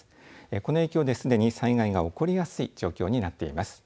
この影響ですでに災害が起こりやすい状況になっています。